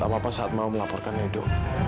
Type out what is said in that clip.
apa apa saat mau melaporkan edo